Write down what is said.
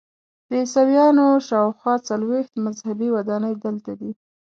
د عیسویانو شاخوا څلویښت مذهبي ودانۍ دلته دي.